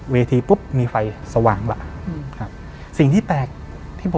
เวทีปุ๊บมีไฟสว่างแบบ